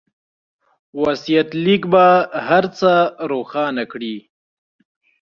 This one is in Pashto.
وصيت ليک به هر څه روښانه کړي.